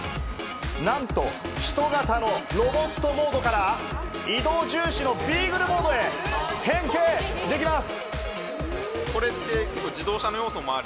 なんと人型のロボットモードから移動重視のビークルモードへ変形できます！